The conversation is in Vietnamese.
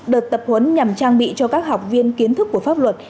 đợt tập huấn nhằm trang bị cho các học viên kiến thức của pháp luật